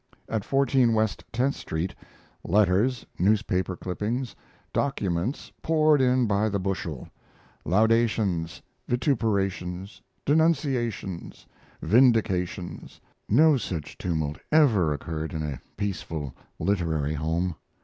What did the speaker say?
At 14 West Tenth Street letters, newspaper clippings, documents poured in by the bushel laudations, vituperations, denunciations, vindications; no such tumult ever occurred in a peaceful literary home.